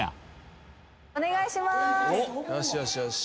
お願いしまーす。